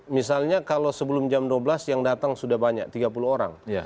misalnya kalau sebelum jam dua belas yang datang sudah banyak tiga puluh orang